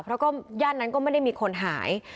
เพราะก็ย่านนั้นก็ไม่ได้มีคนหาย